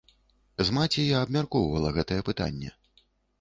З маці я абмяркоўвала гэтае пытанне.